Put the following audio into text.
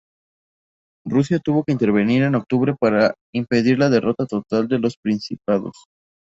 Rusia tuvo que intervenir en octubre para impedir la derrota total de los principados.